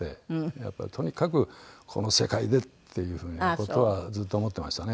やっぱりとにかくこの世界でっていう風な事はずっと思ってましたね。